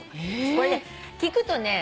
これね聞くとね。